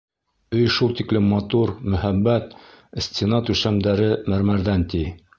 Өй шул тиклем матур, мөһабәт: стена-түшәмдәре мәрмәрҙән, ти.